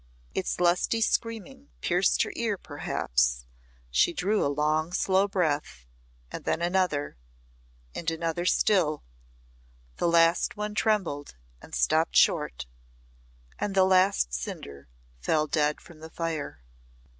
Its lusty screaming pierced her ear perhaps she drew a long, slow breath, and then another, and another still the last one trembled and stopped short, and the last cinder fell dead from the fire.